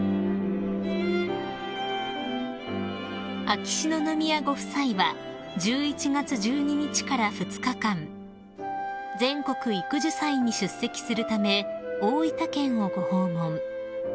［秋篠宮ご夫妻は１１月１２日から２日間全国育樹祭に出席するため大分県をご訪問］